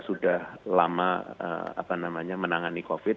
kita sudah lama apa namanya menangani covid